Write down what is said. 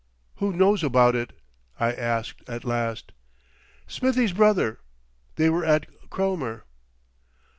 "Who knows about it?" I asked at last. "Smithie's brother. They were at Cromer."